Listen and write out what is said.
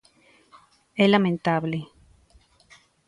É lamentable.